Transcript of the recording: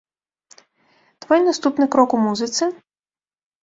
Твой наступны крок у музыцы?